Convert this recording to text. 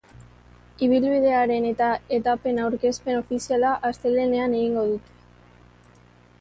Ibilbidearen eta etapen aurkezpen ofiziala astelehenean egingo dute.